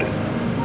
sukses ya pak